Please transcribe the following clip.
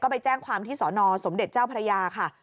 ไปแจ้งความที่สอนอสมเด็จเจ้าพระยาค่ะ